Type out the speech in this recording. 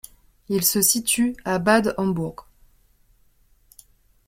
Il se situe à Bad-Hombourg.